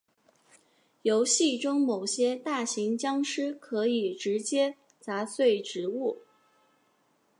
游戏中某些大型僵尸可以直接砸碎植物。